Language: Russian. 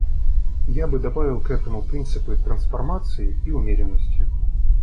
Я добавил бы к этому принципы трансформации и умеренности.